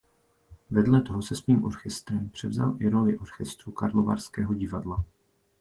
Vedle toho se svým orchestrem převzal i roli orchestru karlovarského divadla.